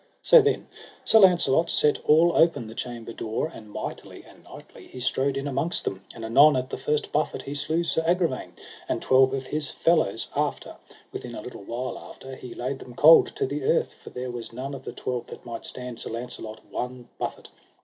So then Sir Launcelot set all open the chamber door, and mightily and knightly he strode in amongst them; and anon at the first buffet he slew Sir Agravaine. And twelve of his fellows after, within a little while after, he laid them cold to the earth, for there was none of the twelve that might stand Sir Launcelot one buffet.